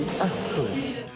そうです。